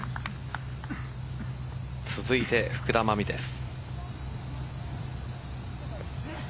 続いて福田真未です。